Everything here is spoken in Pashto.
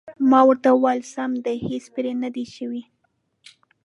ما ورته وویل: سم دي، هېڅ پرې نه دي شوي.